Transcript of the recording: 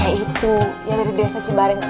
ya itu yang dari desa cibaring